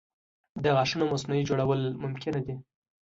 د غاښونو مصنوعي جوړول ممکنه دي.